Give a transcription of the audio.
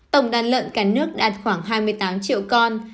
tổng đàn lợn cả nước đạt khoảng hai mươi tám triệu con